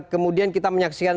kemudian kita menyaksikan